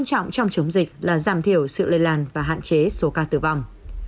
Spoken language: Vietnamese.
vấn đề quan trọng trong dịch là giảm thiểu sự lây lan và hạn chế số ca tử vong